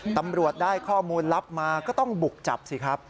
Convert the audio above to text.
ตำรวจได้ข้อมูลลับมาก็ต้องบุกจับสิครับ